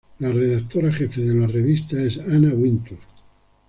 La redactora jefe de la revista es Anna Wintour.